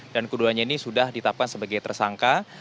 dan keduanya ini sudah ditapkan sebagai tersangka